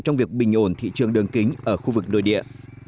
trong việc bình ổn thị trường đường kính ở khu vực nội địa